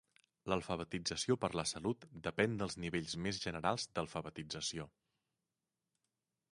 L'alfabetització per a la salut depèn dels nivells més generals d'alfabetització.